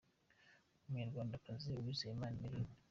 Umunyarwandakazi, Uwizeyimana Emeline.